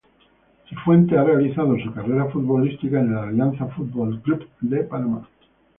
Cifuentes ha realizado su carrera futbolística en el Alianza Fútbol Club de Panamá.